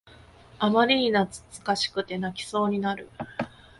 あまりに懐かしくて泣きそうになる